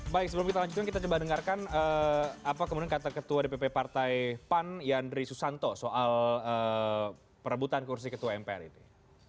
baik sebelum kita lanjutkan kita coba dengarkan apa kemudian kata ketua dpp partai pan yandri susanto soal perebutan kursi ketua mpr ini